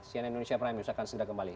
cnn indonesia prime news akan segera kembali